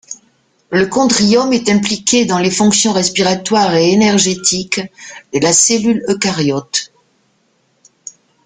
Le chondriome est impliqué dans les fonctions respiratoires et énergétiques de la cellule eucaryote.